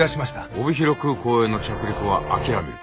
帯広空港への着陸は諦める。